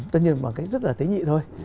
tất nhiên bằng cách rất là tế nhị thôi